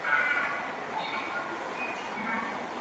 加勒比开发银行是加勒比海地区的一家区域性银行。